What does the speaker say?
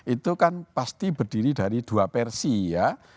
itu kan pasti berdiri dari dua versi ya